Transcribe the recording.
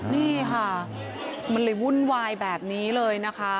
นี่ค่ะมันเลยวุ่นวายแบบนี้เลยนะคะ